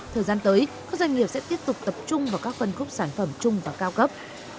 thời gian tới các doanh nghiệp sẽ tiếp tục tập trung vào các phân khúc sản phẩm chung và cao cấp